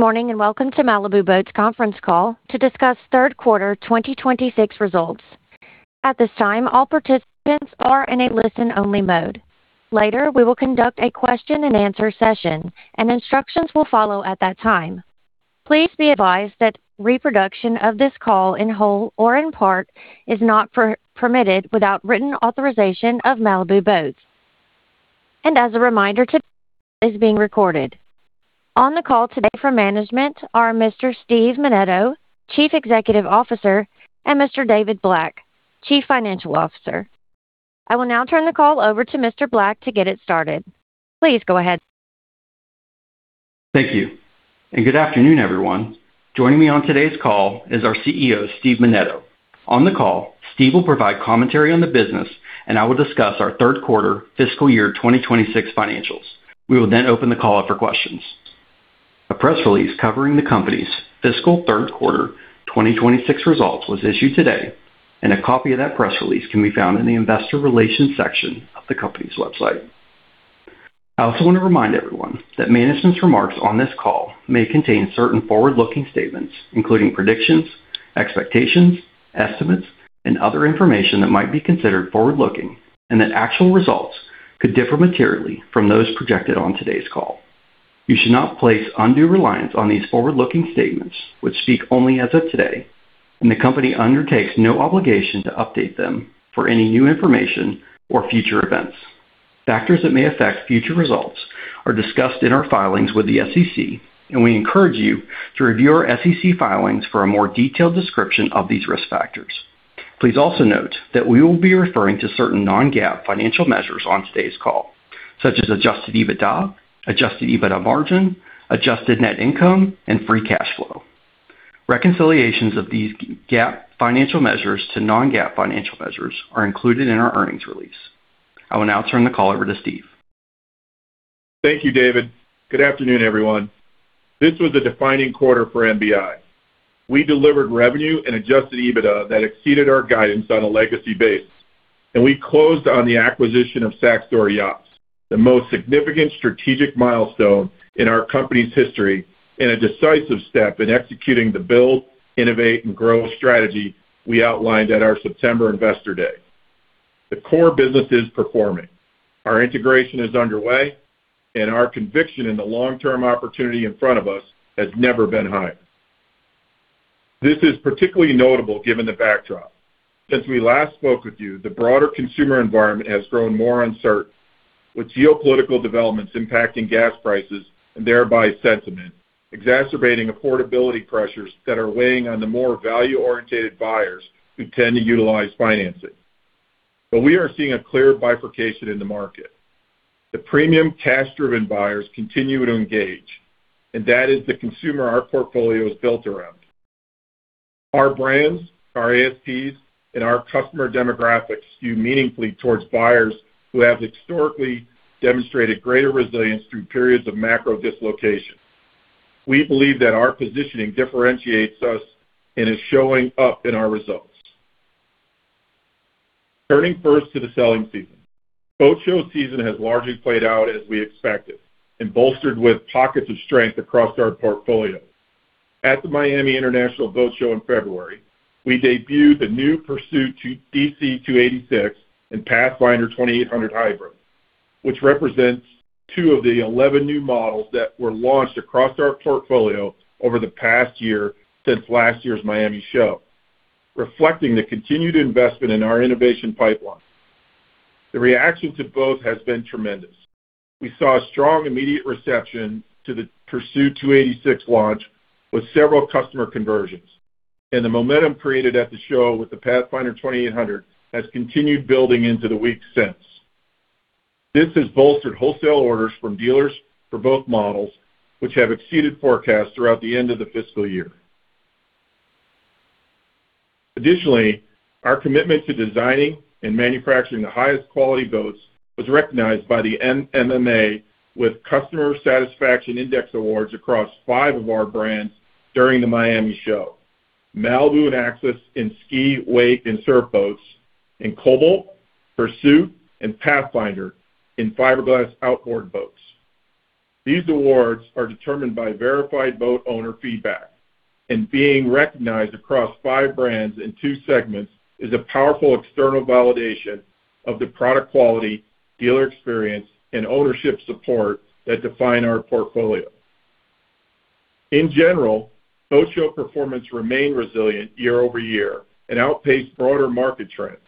Good morning, welcome to Malibu Boats conference call to discuss Q3 2026 results. At this time, all participants are in a listen-only mode. Later, we will conduct a question and answer session and instructions will follow at that time. Please be advised that reproduction of this call in whole or in part is not permitted without written authorization of Malibu Boats. As a reminder, today is being recorded. On the call today from management are Mr. Steve Menneto, Chief Executive Officer, and Mr. David Black, Chief Financial Officer. I will now turn the call over to Mr. Black to get it started. Please go ahead. Thank you. Good afternoon, everyone. Joining me on today's call is our CEO, Steve Menneto. On the call, Steve will provide commentary on the business, and I will discuss our Q3 fiscal year 2026 financials. We will then open the call up for questions. A press release covering the company's fiscal Q3 2026 results was issued today, and a copy of that press release can be found in the investor relations section of the company's website. I also want to remind everyone that management's remarks on this call may contain certain forward-looking statements, including predictions, expectations, estimates, and other information that might be considered forward-looking, and that actual results could differ materially from those projected on today's call. You should not place undue reliance on these forward-looking statements, which speak only as of today, and the company undertakes no obligation to update them for any new information or future events. Factors that may affect future results are discussed in our filings with the SEC, and we encourage you to review our SEC filings for a more detailed description of these risk factors. Please also note that we will be referring to certain non-GAAP financial measures on today's call, such as adjusted EBITDA, adjusted EBITDA margin, adjusted net income, and free cash flow. Reconciliations of these GAAP financial measures to non-GAAP financial measures are included in our earnings release. I will now turn the call over to Steve. Thank you, David. Good afternoon, everyone. This was a defining quarter for MBI. We delivered revenue and adjusted EBITDA that exceeded our guidance on a legacy base. We closed on the acquisition of Saxdor Yachts, the most significant strategic milestone in our company's history and a decisive step in executing the build, innovate, and grow strategy we outlined at our September investor day. The core business is performing. Our integration is underway. Our conviction in the long-term opportunity in front of us has never been higher. This is particularly notable given the backdrop. Since we last spoke with you, the broader consumer environment has grown more uncertain, with geopolitical developments impacting gas prices and thereby sentiment, exacerbating affordability pressures that are weighing on the more value-orientated buyers who tend to utilize financing. We are seeing a clear bifurcation in the market. The premium cash-driven buyers continue to engage, and that is the consumer our portfolio is built around. Our brands, our ASPs, and our customer demographics skew meaningfully towards buyers who have historically demonstrated greater resilience through periods of macro dislocation. We believe that our positioning differentiates us and is showing up in our results. Turning first to the selling season. Boat show season has largely played out as we expected and bolstered with pockets of strength across our portfolio. At the Miami International Boat Show in February, we debuted the new Pursuit DC 286 and Pathfinder 2800 Hybrid which represents two of the 11 new models that were launched across our portfolio over the past year since last year's Miami show, reflecting the continued investment in our innovation pipeline. The reaction to both has been tremendous. We saw a strong immediate reception to the Pursuit DC 286 launch with several customer conversions. The momentum created at the show with the Pathfinder 2800 Hybrid has continued building into the weeks since. This has bolstered wholesale orders from dealers for both models, which have exceeded forecasts throughout the end of the fiscal year. Additionally, our commitment to designing and manufacturing the highest quality boats was recognized by the NMMA with Customer Satisfaction Index awards across five of our brands during the Miami show. Malibu and Axis in ski, wake, and surf boats, and Cobalt, Pursuit, and Pathfinder in fiberglass outboard boats. These awards are determined by verified boat owner feedback, and being recognized across five brands in two segments is a powerful external validation of the product quality, dealer experience, and ownership support that define our portfolio. In general, boat show performance remained resilient year-over-year and outpaced broader market trends,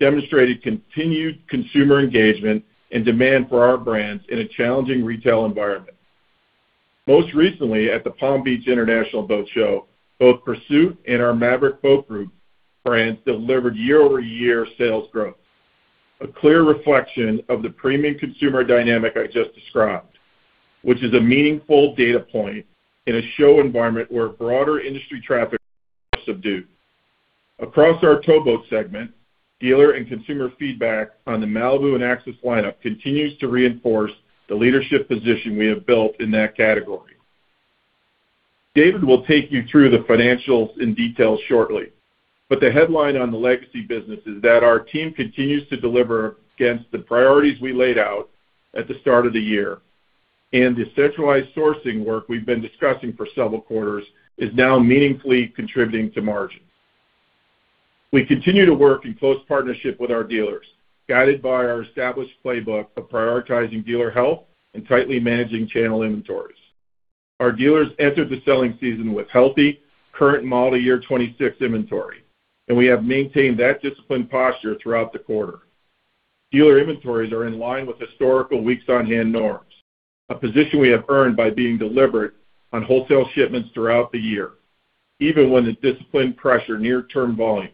demonstrating continued consumer engagement and demand for our brands in a challenging retail environment. Most recently, at the Palm Beach International Boat Show, both Pursuit and our Maverick Boat Group brands delivered year-over-year sales growth, a clear reflection of the premium consumer dynamic I just described which is a meaningful data point in a show environment where broader industry traffic subdued. Across our towboat segment, dealer and consumer feedback on the Malibu and Axis lineup continues to reinforce the leadership position we have built in that category. David will take you through the financials in detail shortly, but the headline on the legacy business is that our team continues to deliver against the priorities we laid out at the start of the year, and the centralized sourcing work we've been discussing for several quarters is now meaningfully contributing to margin. We continue to work in close partnership with our dealers, guided by our established playbook for prioritizing dealer health and tightly managing channel inventories. Our dealers entered the selling season with healthy current model year 2026 inventory, and we have maintained that disciplined posture throughout the quarter. Dealer inventories are in line with historical weeks on hand norms, a position we have earned by being deliberate on wholesale shipments throughout the year, even when it disciplined pressure near-term volumes.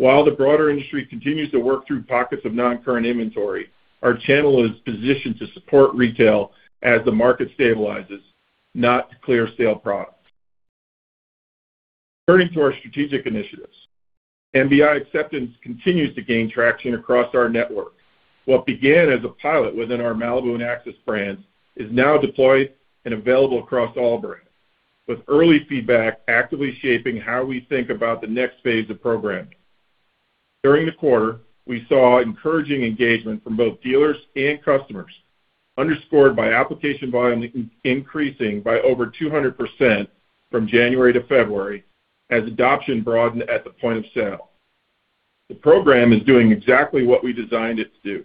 While the broader industry continues to work through pockets of non-current inventory, our channel is positioned to support retail as the market stabilizes, not to clear sale products. Turning to our strategic initiatives. MBI Acceptance continues to gain traction across our network. What began as a pilot within our Malibu and Axis brands is now deployed and available across all brands, with early feedback actively shaping how we think about the next phase of programming. During the quarter, we saw encouraging engagement from both dealers and customers, underscored by application volume increasing by over 200% from January to February as adoption broadened at the point of sale. The program is doing exactly what we designed it to do: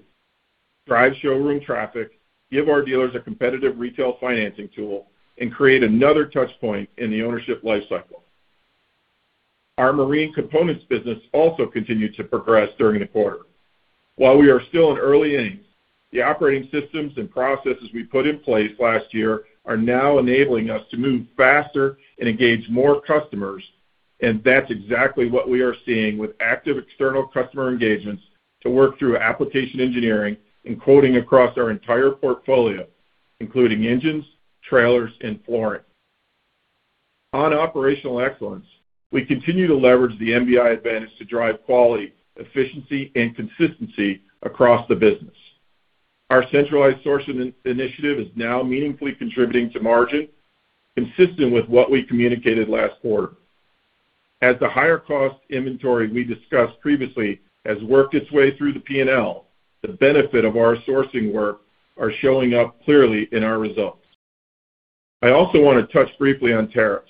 drive showroom traffic, give our dealers a competitive retail financing tool, and create another touch point in the ownership life cycle. Our marine components business also continued to progress during the quarter. While we are still in early innings, the operating systems and processes we put in place last year are now enabling us to move faster and engage more customers. That's exactly what we are seeing with active external customer engagements to work through application engineering and quoting across our entire portfolio, including engines, trailers, and flooring. On operational excellence, we continue to leverage the MBI advantage to drive quality, efficiency, and consistency across the business. Our centralized sourcing initiative is now meaningfully contributing to margin, consistent with what we communicated last quarter. As the higher cost inventory we discussed previously has worked its way through the P&L, the benefit of our sourcing work are showing up clearly in our results. I also want to touch briefly on tariffs.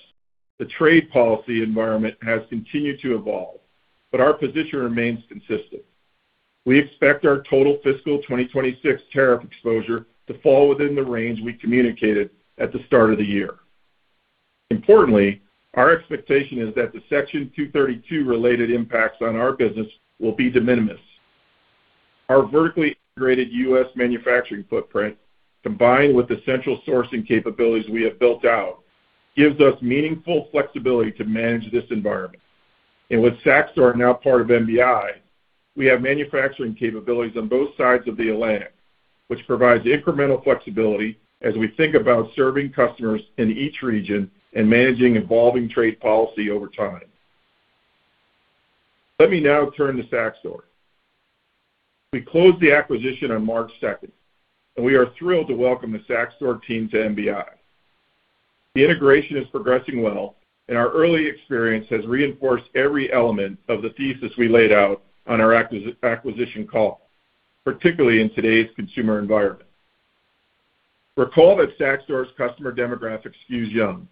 The trade policy environment has continued to evolve, but our position remains consistent. We expect our total fiscal 2026 tariff exposure to fall within the range we communicated at the start of the year. Importantly, our expectation is that the Section 232 related impacts on our business will be de minimis. Our vertically integrated U.S. manufacturing footprint, combined with the central sourcing capabilities we have built out, gives us meaningful flexibility to manage this environment. With Saxdor now part of MBI, we have manufacturing capabilities on both sides of the Atlantic, which provides incremental flexibility as we think about serving customers in each region and managing evolving trade policy over time. Let me now turn to Saxdor. We closed the acquisition on March second, and we are thrilled to welcome the Saxdor team to MBI. The integration is progressing well, and our early experience has reinforced every element of the thesis we laid out on our acquisition call, particularly in today's consumer environment. Recall that Saxdor's customer demographic skews young,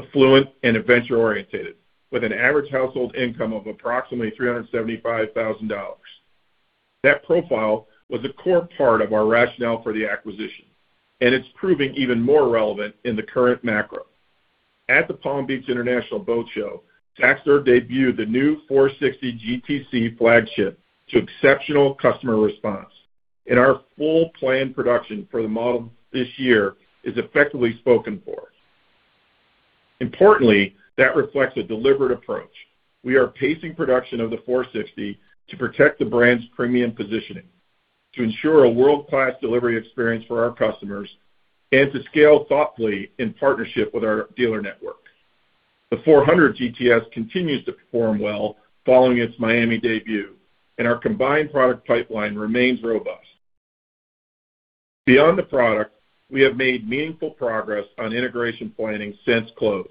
affluent, and adventure-orientated, with an average household income of approximately $375,000. That profile was a core part of our rationale for the acquisition, and it's proving even more relevant in the current macro. At the Palm Beach International Boat Show, Saxdor debuted the new 460 GTC flagship to exceptional customer response, and our full plan production for the model this year is effectively spoken for. Importantly, that reflects a deliberate approach. We are pacing production of the 460 to protect the brand's premium positioning, to ensure a world-class delivery experience for our customers, and to scale thoughtfully in partnership with our dealer network. The 400 GTS continues to perform well following its Miami debut, and our combined product pipeline remains robust. Beyond the product, we have made meaningful progress on integration planning since close.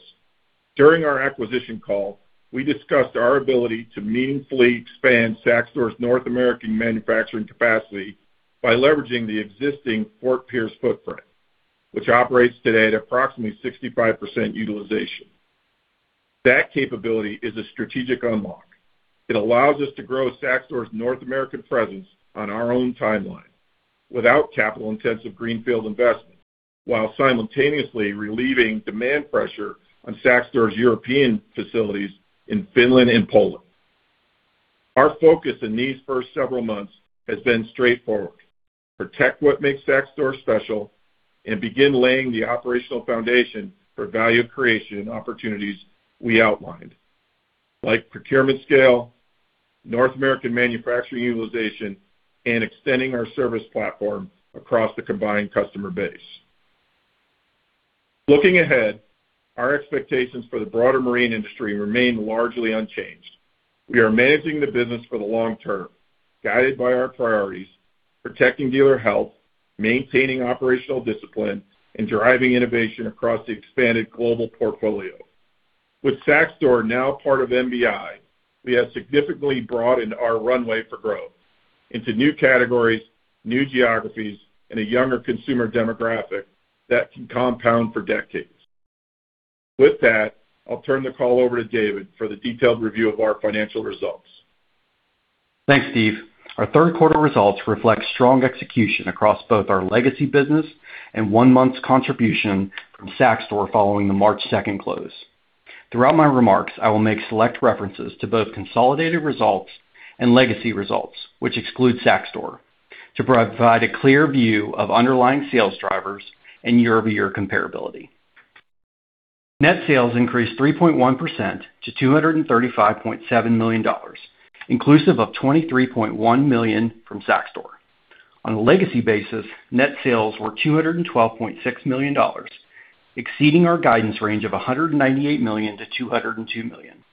During our acquisition call, we discussed our ability to meaningfully expand Saxdor's North American manufacturing capacity by leveraging the existing Fort Pierce footprint, which operates today at approximately 65% utilization. That capability is a strategic unlock. It allows us to grow Saxdor's North American presence on our own timeline without capital-intensive greenfield investment, while simultaneously relieving demand pressure on Saxdor's European facilities in Finland and Poland. Our focus in these first several months has been straightforward: protect what makes Saxdor special and begin laying the operational foundation for value creation and opportunities we outlined, like procurement scale, North American manufacturing utilization, and extending our service platform across the combined customer base. Looking ahead, our expectations for the broader marine industry remain largely unchanged. We are managing the business for the long term, guided by our priorities, protecting dealer health, maintaining operational discipline, and driving innovation across the expanded global portfolio. With Saxdor now part of MBI, we have significantly broadened our runway for growth into new categories, new geographies, and a younger consumer demographic that can compound for decades. With that, I'll turn the call over to David for the detailed review of our financial results. Thanks, Steve. Our Q3 results reflect strong execution across both our legacy business and one month's contribution from Saxdor following the March second close. Throughout my remarks, I will make select references to both consolidated results and legacy results, which exclude Saxdor, to provide a clear view of underlying sales drivers and year-over-year comparability. Net sales increased 3.1% to $235.7 million, inclusive of $23.1 million from Saxdor. On a legacy basis, net sales were $212.6 million, exceeding our guidance range of $198 million-$202 million.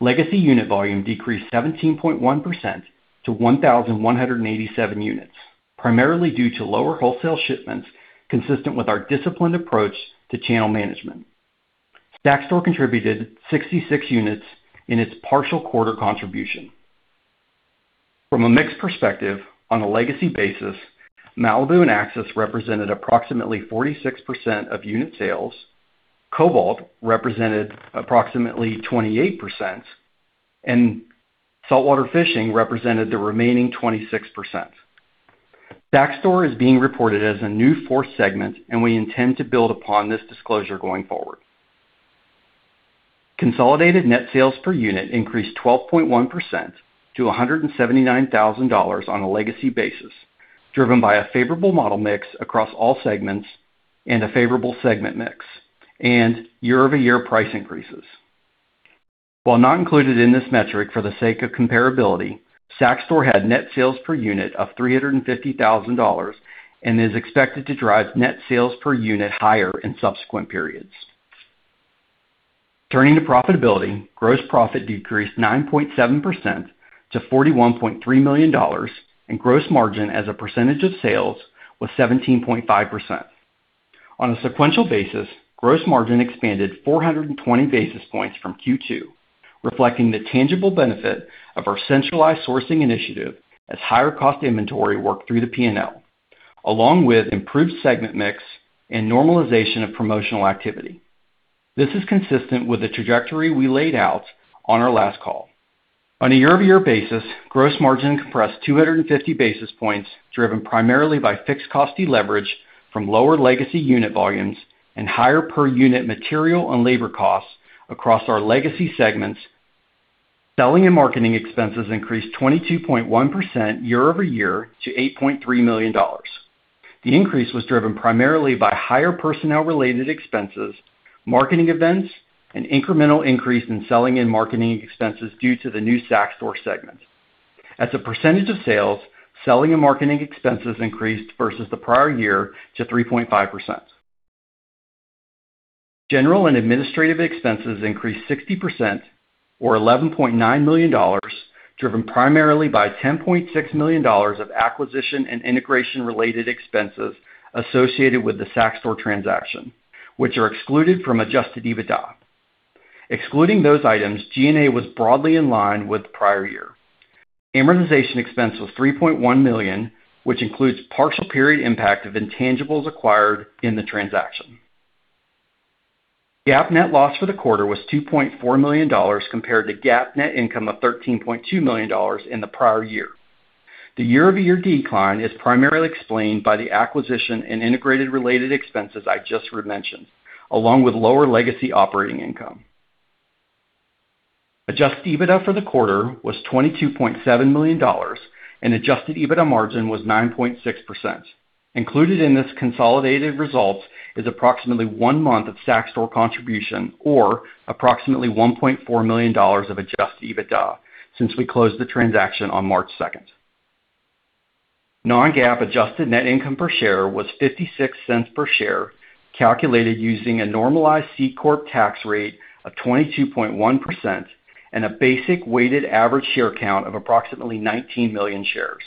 Legacy unit volume decreased 17.1% to 1,187 units, primarily due to lower wholesale shipments consistent with our disciplined approach to channel management. Saxdor contributed 66 units in its partial quarter contribution. From a mix perspective, on a legacy basis, Malibu and Axis represented approximately 46% of unit sales, Cobalt represented approximately 28%, and Saltwater Fishing represented the remaining 26%. Saxdor is being reported as a new fourth segment, and we intend to build upon this disclosure going forward. Consolidated net sales per unit increased 12.1% to $179,000 on a legacy basis, driven by a favorable model mix across all segments and a favorable segment mix and year-over-year price increases. While not included in this metric for the sake of comparability, Saxdor had net sales per unit of $350,000 and is expected to drive net sales per unit higher in subsequent periods. Turning to profitability, gross profit decreased 9.7% to $41.3 million, and gross margin as a percentage of sales was 17.5%. On a sequential basis, gross margin expanded 420 basis points from Q2, reflecting the tangible benefit of our centralized sourcing initiative as higher cost inventory worked through the P&L, along with improved segment mix and normalization of promotional activity. This is consistent with the trajectory we laid out on our last call. On a year-over-year basis, gross margin compressed 250 basis points, driven primarily by fixed cost deleverage from lower legacy unit volumes and higher per-unit material and labor costs across our legacy segments. Selling and marketing expenses increased 22.1% year over year to $8.3 million. The increase was driven primarily by higher personnel-related expenses, marketing events, an incremental increase in selling and marketing expenses due to the new Saxdor segment. As a percentage of sales, selling and marketing expenses increased versus the prior year to 3.5%. General and administrative expenses increased 60%, or $11.9 million, driven primarily by $10.6 million of acquisition and integration-related expenses associated with the Saxdor transaction, which are excluded from adjusted EBITDA. Excluding those items, G&A was broadly in line with the prior year. Amortization expense was $3.1 million, which includes partial period impact of intangibles acquired in the transaction. GAAP net loss for the quarter was $2.4 million compared to GAAP net income of $13.2 million in the prior year. The year-over-year decline is primarily explained by the acquisition and integrated related expenses I just mentioned, along with lower legacy operating income. Adjusted EBITDA for the quarter was $22.7 million, and adjusted EBITDA margin was 9.6%. Included in this consolidated results is approximately one month of Saxdor contribution or approximately $1.4 million of adjusted EBITDA since we closed the transaction on March 2nd, 2026. Non-GAAP adjusted net income per share was $0.56 per share, calculated using a normalized C corp tax rate of 22.1% and a basic weighted average share count of approximately 19 million shares.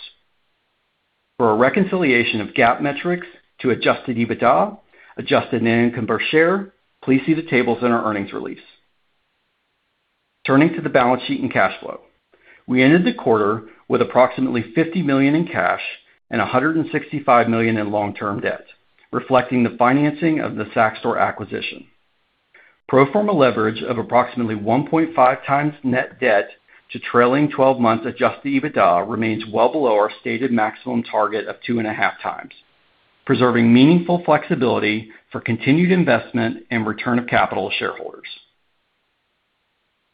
For a reconciliation of GAAP metrics to adjusted EBITDA, adjusted net income per share, please see the tables in our earnings release. Turning to the balance sheet and cash flow. We ended the quarter with approximately $50 million in cash and $165 million in long-term debt, reflecting the financing of the Saxdor acquisition. Pro forma leverage of approximately 1.5 times net debt to trailing twelve-month adjusted EBITDA remains well below our stated maximum target of 2.5 times, preserving meaningful flexibility for continued investment and return of capital to shareholders.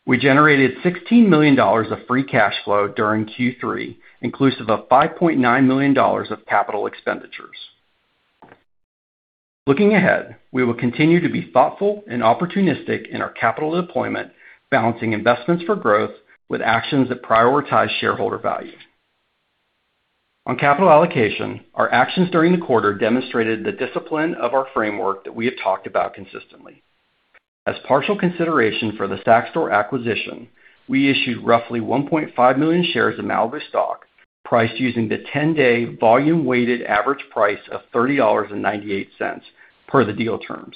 We generated $16 million of free cash flow during Q3, inclusive of $5.9 million of capital expenditures. Looking ahead, we will continue to be thoughtful and opportunistic in our capital deployment, balancing investments for growth with actions that prioritize shareholder value. On capital allocation, our actions during the quarter demonstrated the discipline of our framework that we have talked about consistently. As partial consideration for the Saxdor acquisition, we issued roughly 1.5 million shares of Malibu stock, priced using the 10-day volume weighted average price of $30.98 per the deal terms.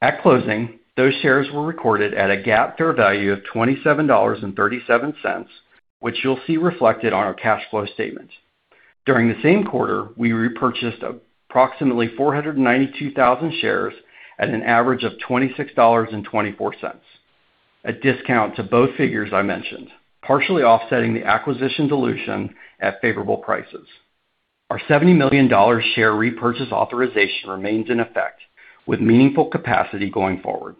At closing, those shares were recorded at a GAAP fair value of $27.37, which you'll see reflected on our cash flow statement. During the same quarter, we repurchased approximately 492,000 shares at an average of $26.24. A discount to both figures I mentioned, partially offsetting the acquisition dilution at favorable prices. Our $70 million share repurchase authorization remains in effect, with meaningful capacity going forward.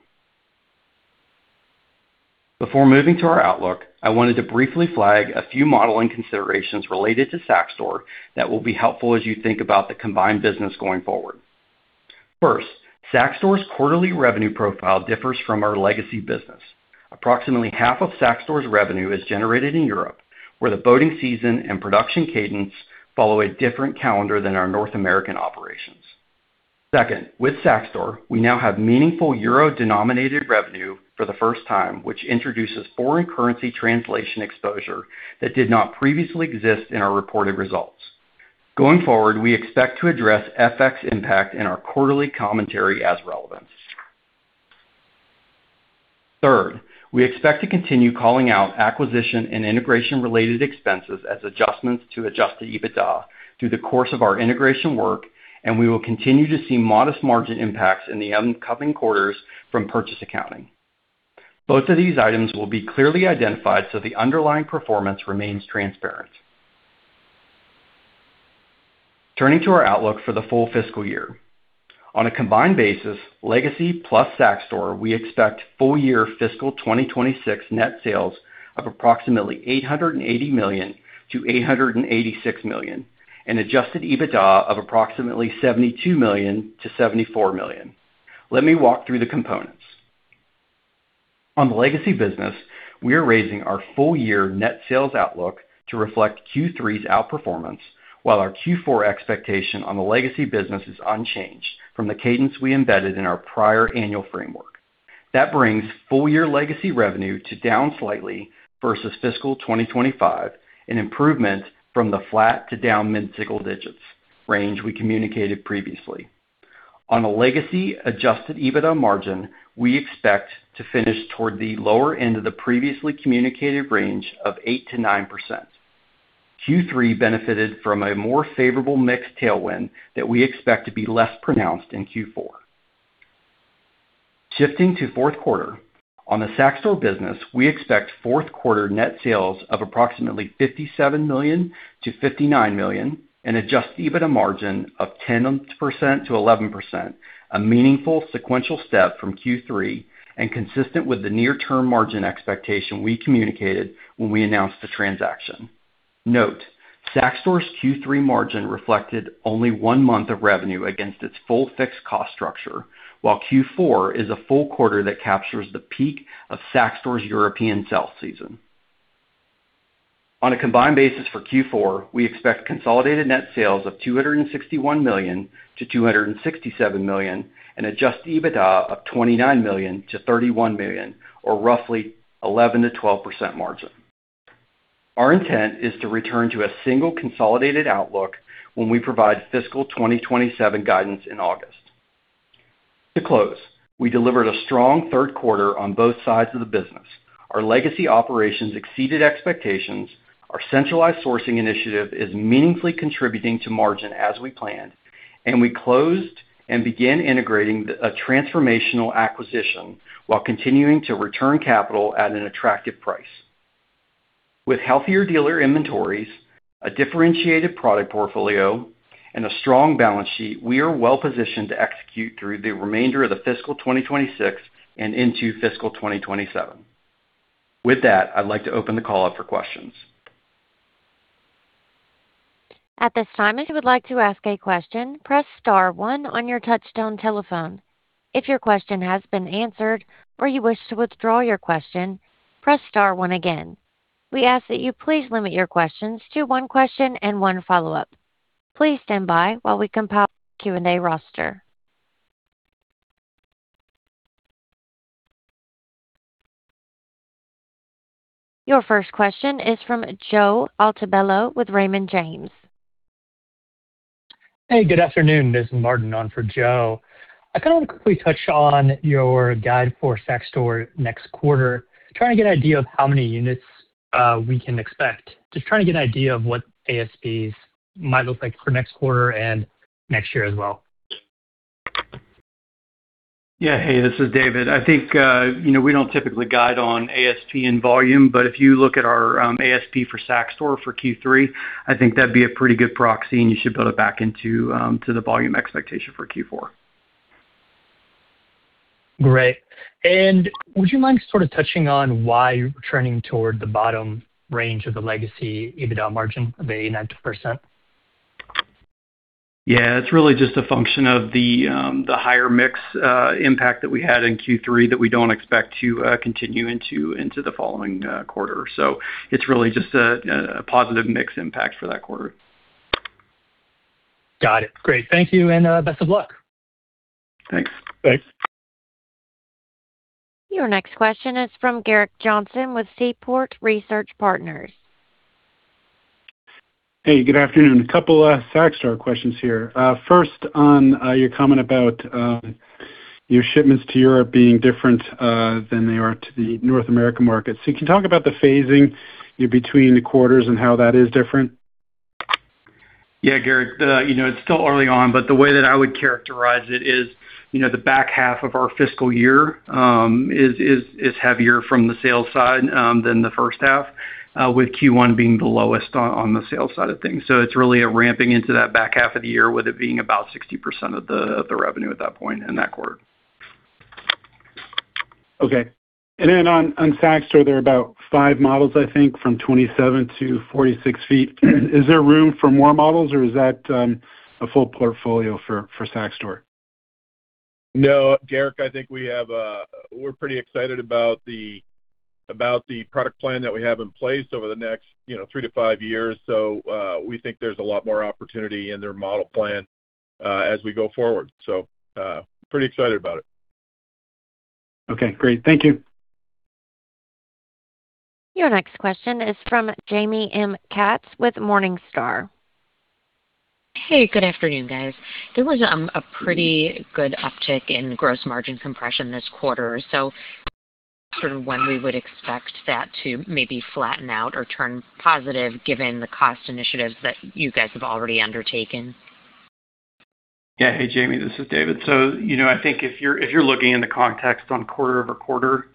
Before moving to our outlook, I wanted to briefly flag a few modeling considerations related to Saxdor that will be helpful as you think about the combined business going forward. First, Saxdor's quarterly revenue profile differs from our legacy business. Approximately half of Saxdor's revenue is generated in Europe, where the boating season and production cadence follow a different calendar than our North American operations. Second, with Saxdor, we now have meaningful euro-denominated revenue for the first time, which introduces foreign currency translation exposure that did not previously exist in our reported results. Going forward, we expect to address FX impact in our quarterly commentary as relevance. Third, we expect to continue calling out acquisition and integration related expenses as adjustments to adjusted EBITDA through the course of our integration work, and we will continue to see modest margin impacts in the upcoming quarters from purchase accounting. Both of these items will be clearly identified so the underlying performance remains transparent. Turning to our outlook for the full fiscal year. On a combined basis, legacy plus Saxdor, we expect FY fiscal 2026 net sales of approximately $880 million-$886 million, and adjusted EBITDA of approximately $72 million-$74 million. Let me walk through the components. On the legacy business, we are raising our FY net sales outlook to reflect Q3's outperformance, while our Q4 expectation on the legacy business is unchanged from the cadence we embedded in our prior annual framework. That brings FY legacy revenue to down slightly versus fiscal 2025, an improvement from the flat to down mid-single digits range we communicated previously. On a legacy adjusted EBITDA margin, we expect to finish toward the lower end of the previously communicated range of 8%-9%. Q3 benefited from a more favorable mix tailwind that we expect to be less pronounced in Q4. Shifting to fourth quarter. On the Saxdor business, we expect fourth quarter net sales of approximately $57 million-$59 million and adjusted EBITDA margin of 10%-11%, a meaningful sequential step from Q3 and consistent with the near-term margin expectation we communicated when we announced the transaction. Note, Saxdor's Q3 margin reflected only one month of revenue against its full fixed cost structure, while Q4 is a full quarter that captures the peak of Saxdor's European sales season. On a combined basis for Q4, we expect consolidated net sales of $261 million-$267 million and adjusted EBITDA of $29 million-$31 million, or roughly 11%-12% margin. Our intent is to return to a single consolidated outlook when we provide fiscal 2027 guidance in August. To close, we delivered a strong Q3 on both sides of the business. Our legacy operations exceeded expectations. Our centralized sourcing initiative is meaningfully contributing to margin as we planned, and we closed and began integrating a transformational acquisition while continuing to return capital at an attractive price. With healthier dealer inventories, a differentiated product portfolio, and a strong balance sheet, we are well positioned to execute through the remainder of the fiscal 2026 and into fiscal 2027. With that, I'd like to open the call up for questions. At this time, if you would like to ask a question, press star one on your touchtone telephone. If your question has been answered or you wish to withdraw your question, press star one again. We ask that you lease limit your questions to one question and one follow up. Please standby while we compile the Q&A roster. Your first question is from Joe Altobello with Raymond James. Hey, good afternoon. This is Martin on for Joe. I kind of want to quickly touch on your guide for Saxdor next quarter. Trying to get an idea of how many units we can expect. Just trying to get an idea of what ASPs might look like for next quarter and next year as well. Yeah. Hey, this is David. I think, you know, we don't typically guide on ASP and volume. If you look at our ASP for Saxdor for Q3, I think that'd be a pretty good proxy. You should put it back into the volume expectation for Q4. Great. Would you mind sort of touching on why you're turning toward the bottom range of the legacy EBITDA margin of 8%-9%? Yeah, it's really just a function of the higher mix, impact that we had in Q3 that we don't expect to continue into the following quarter. It's really just a positive mix impact for that quarter. Got it. Great. Thank you, and best of luck. Thanks. Thanks. Your next question is from Gerrick Johnson with Seaport Research Partners. Hey, good afternoon. A couple Saxdor questions here. First on your comment about your shipments to Europe being different than they are to the North American market. Can you talk about the phasing between the quarters and how that is different? Yeah, Gerrick. The, you know, it's still early on, but the way that I would characterize it is, you know, the back half of our fiscal year is heavier from the sales side than the first half, with Q1 being the lowest on the sales side of things. It's really a ramping into that back half of the year with it being about 60% of the revenue at that point in that quarter. Okay. On Saxdor, there are about 5 models, I think, from 27 to 46 feet. Is there room for more models, or is that a full portfolio for Saxdor? No, Gerrick, I think we're pretty excited about the product plan that we have in place over the next, you know, three to five years. We think there's a lot more opportunity in their model plan as we go forward. Pretty excited about it. Okay, great. Thank you. Your next question is from Jaime M. Katz with Morningstar. Hey, good afternoon, guys. There was a pretty good uptick in gross margin compression this quarter. Sort of when we would expect that to maybe flatten out or turn positive given the cost initiatives that you guys have already undertaken? Hey, Jaime, this is David. You know, I think if you're, if you're looking in the context on quarter-over-quarter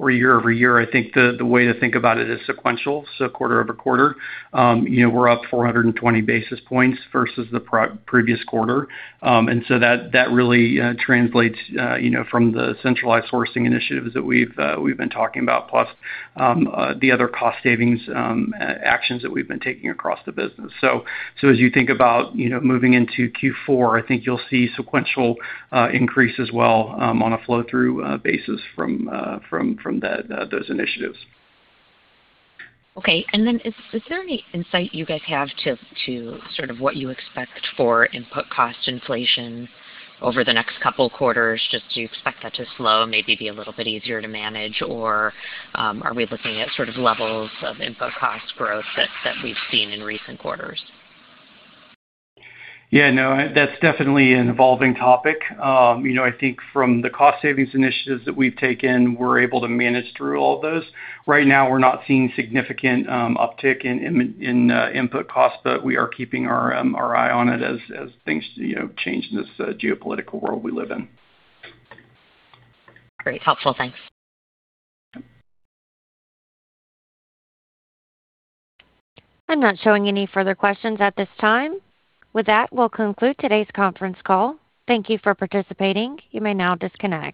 or year-over-year, I think the way to think about it is sequential. Quarter-over-quarter. You know, we're up 420 basis points versus the previous quarter. That really translates, you know, from the centralized sourcing initiatives that we've been talking about, plus the other cost savings actions that we've been taking across the business. As you think about, you know, moving into Q4, I think you'll see sequential increase as well on a flow through basis from the those initiatives. Okay. Is there any insight you guys have to sort of what you expect for input cost inflation over the next couple of quarters? Just do you expect that to slow, maybe be a little bit easier to manage, or are we looking at sort of levels of input cost growth that we've seen in recent quarters? No, that's definitely an evolving topic. You know, I think from the cost savings initiatives that we've taken, we're able to manage through all of those. Right now, we're not seeing significant uptick in input costs, but we are keeping our eye on it as things, you know, change in this geopolitical world we live in. Great. Helpful. Thanks. Yep. I'm not showing any further questions at this time. With that, we'll conclude today's conference call. Thank you for participating. You may now disconnect.